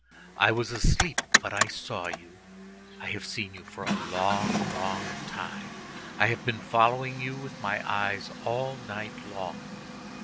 I was asleep, but I saw you. I have seen you for a long, long time. I have been following you with my eyes all night long.